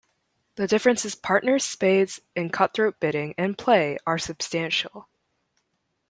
The differences Partners Spades and Cutthroat bidding and play are substantial.